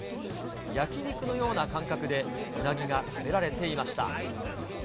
焼き肉のような感覚でうなぎが食べられていました。